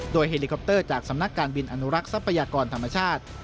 โดยเฮลิคอปเตอร์จากสำนักการบินอนุรักษ์ทรัพยากรธรรมชาติ